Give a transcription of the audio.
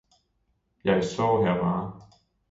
Jeg står her bare.